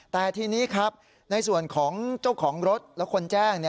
แต่ทีนี้ครับในส่วนของเจ้าของรถและคนแจ้ง